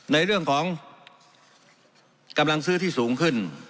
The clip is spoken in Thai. ในเรื่องของกำลังซื้อที่สูงขึ้น